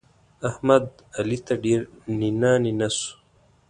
احمد؛ علي ته ډېر نينه نينه سو.